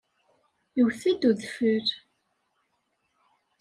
Iwet-d udfel.